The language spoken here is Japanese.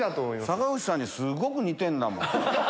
坂口さんにすっごく似てんだもん。